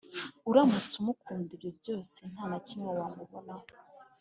uramutse umukunda ibyo byose ntanakimwe wamubonaho